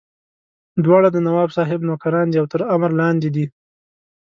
دواړه د نواب صاحب نوکران دي او تر امر لاندې دي.